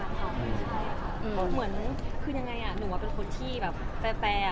ว่าเหมือนคือยังไงอ่ะหนูว่าเป็นคนที่แบบแปรแร่อ่ะ